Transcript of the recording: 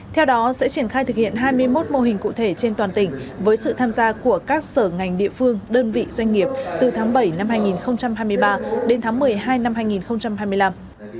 theo đó sẽ triển khai thực hiện hai mươi một mô hình cụ thể trên toàn tỉnh với sự tham gia của các sở ngành địa phương đơn vị doanh nghiệp từ tháng bảy năm hai nghìn hai mươi ba đến tháng một mươi hai năm hai nghìn hai mươi năm